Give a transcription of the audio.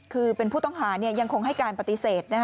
คือเป็นผู้ต้องหายังคงให้การปฏิเสธ